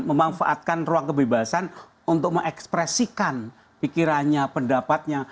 memanfaatkan ruang kebebasan untuk mengekspresikan pikirannya pendapatnya